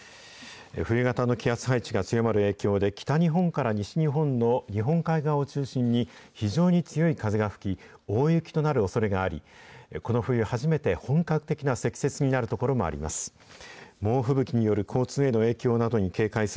冬型の気圧配置が強まる影響で、北日本から西日本の日本海側を中心に非常に強い風が吹き、大雪となるおそれがあり、この冬初めて、本格的な積雪になる所もあります。